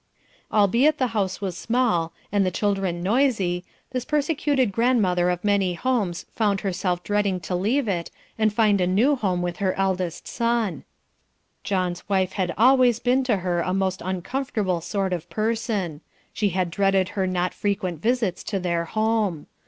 Albeit the house was small, and the children noisy, this persecuted grandmother of many homes found herself dreading to leave it and find a new home with her eldest son. John's wife had always been to her a most uncomfortable sort of person; she had dreaded her not frequent visits to their home.